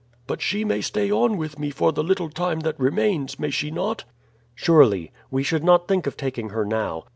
But she may stay on with me for the little time that remains, may she not?" "Surely. We should not think of taking her now.